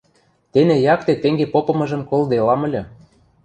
Тене якте тенге попымыжым колделам ыльы.